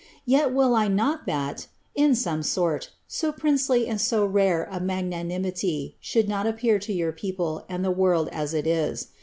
Tet will I not that (in some sort) so princely and so rare a magnanimity should not appear to your people and the world as it is.